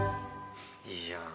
いいじゃん。